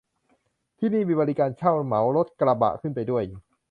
ที่นี่มีบริการเช่าเหมารถกระบะขึ้นไปด้วย